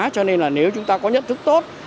cho nên nếu chúng ta có nhận thức tốt